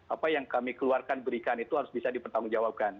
apa yang kami keluarkan berikan itu harus bisa dipertanggungjawabkan